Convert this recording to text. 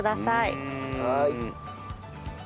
はい。